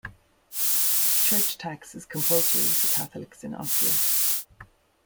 Church tax is compulsory for Catholics in Austria.